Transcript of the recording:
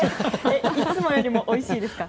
いつもよりもおいしいですか？